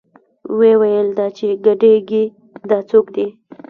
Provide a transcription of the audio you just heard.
ويې ويل دا چې ګډېګي دا سوک دې.